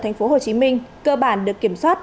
ở tp hcm cơ bản được kiểm soát